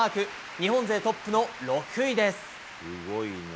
日本勢トップの６位です。